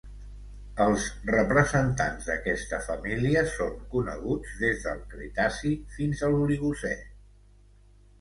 Els representants d'aquesta família són coneguts des del Cretaci fins a l'Oligocè.